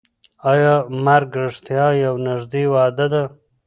ایا مرګ رښتیا یوه نږدې وعده ده؟